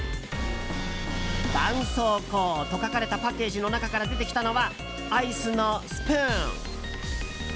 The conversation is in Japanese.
「絆創膏」と書かれたパッケージの中から出てきたのはアイスのスプーン。